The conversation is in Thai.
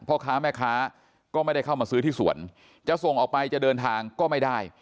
พ่อค้าแม่ค้าก็ไม่ได้เข้ามาซื้อที่สวนจะส่งออกไปจะเดินทางก็ไม่ได้